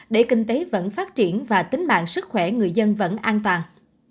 để kinh tế vẫn phát triển và tính mạng sức khỏe người dân vẫn an toàn